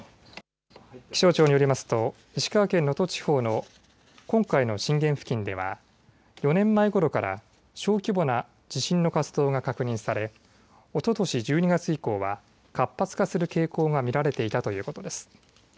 気象庁によりますと石川県能登地方の今回の震源付近では４年前ごろから小規模な地震の活動が確認されおととし１２月以降は活発化する傾向が見られていたということです。